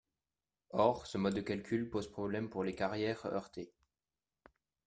Or ce mode de calcul pose problème pour les carrières heurtées.